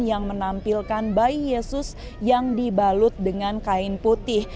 yang menampilkan bayi yesus yang dibalut dengan kain putih